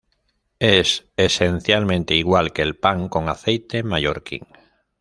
Es esencialmente igual que el pan con aceite mallorquín.